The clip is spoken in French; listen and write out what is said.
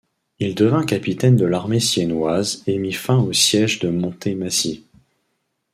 Il devint capitaine de l'armée siennoise et mit fin au siège de Montemassi.